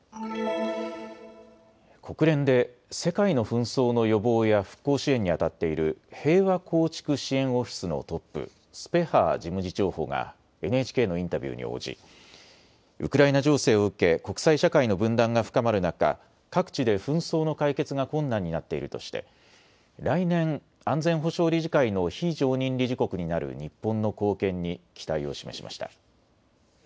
国連で世界の紛争の予防や復興支援にあたっている平和構築支援オフィスのトップ、スペハー事務次長補がＮＨＫのインタビューに応じウクライナ情勢を受け国際社会の分断が深まる中、各地で紛争の解決が困難になっているとして来年、安全保障理事会の非常任理事国になる日本の貢献に期待を示しました。